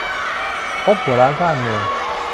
คบหัวล้านสร้างเมือง